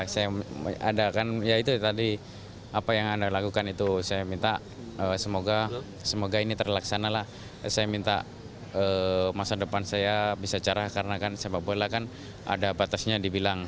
saya adakan ya itu tadi apa yang anda lakukan itu saya minta semoga ini terlaksana lah saya minta masa depan saya bisa cara karena kan sepak bola kan ada batasnya dibilang